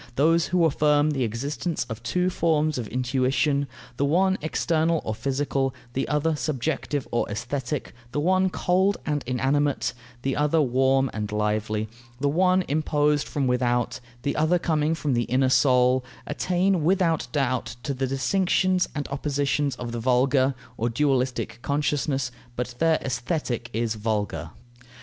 Those who affirm the existence of two forms of intuition the one external or physical, the other subjective or aesthetic; the one cold and inanimate, the other warm and lively; the one imposed from without, the other coming from the inner soul attain without doubt to the distinctions and oppositions of the vulgar (or dualistic) consciousness, but their Aesthetic is vulgar.